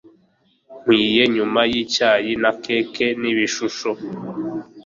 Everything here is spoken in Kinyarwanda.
Nkwiye, nyuma yicyayi na keke nibishusho,